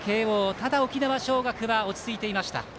ただ、沖縄尚学は落ち着いていました。